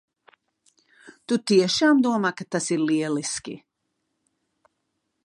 Tu tiešām domā, ka tas ir lieliski?